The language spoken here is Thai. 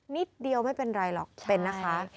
นิดเดียวไม่เป็นไรหรอกเป็นนะคะ